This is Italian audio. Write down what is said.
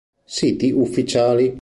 Siti ufficiali